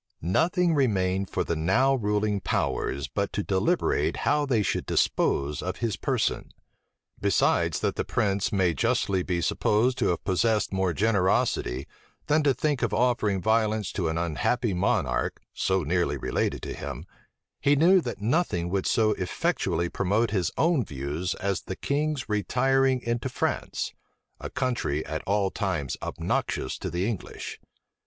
Nothing remained for the now ruling powers but to deliberate how they should dispose of his person. Besides that the prince may justly be supposed to have possessed more generosity than to think of offering violence to an unhappy monarch, so nearly related to him, he knew that nothing would so effectually promote his own views as the king's retiring into France, a country at all times obnoxious to the English.